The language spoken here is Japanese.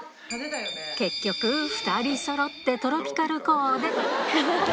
結局、２人そろってトロピカルコーデ。